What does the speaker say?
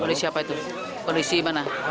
kondisi siapa itu kondisi mana